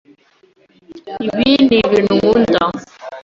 Ibi nibintu nkunda.